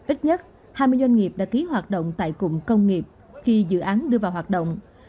ít nhất hai mươi doanh nghiệp đã ký hoạt động tại cụm công nghiệp khi dự án đưa vào hoạt động